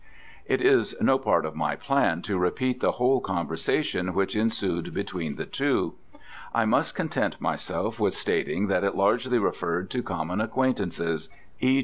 It is no part of my plan to repeat the whole conversation which ensued between the two. I must content myself with stating that it largely referred to common acquaintances, e.